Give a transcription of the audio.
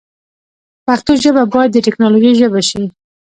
پښتو ژبه باید د تکنالوژۍ ژبه شی